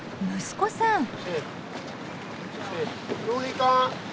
息子さん。